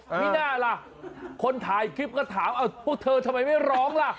ไม่น่าล่ะคนถ่ายคลิปก็ถามพวกเธอทำไมไม่ร้องล่ะ